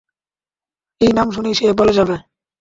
এই নাম শুনেই সে গলে যাবে।